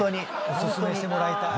お薦めしてもらいたい。